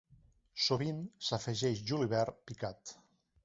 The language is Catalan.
Sovint s'afegeix julivert picat.